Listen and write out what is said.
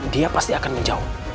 dia pasti akan menjauh